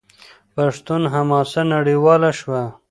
پښتون حماسه نړیواله شوه.